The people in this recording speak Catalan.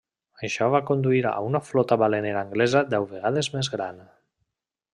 Això va conduir a una flota balenera anglesa deu vegades més gran.